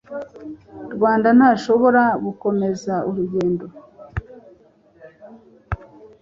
Rwanda ntashobora gukomeza urugendo